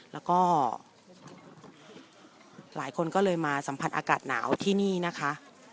แล้วก็หลายคนก็เลยมาสัมผัสอากาศหนาวที่นี่นะคะ